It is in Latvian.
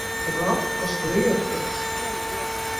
Trakas lietas.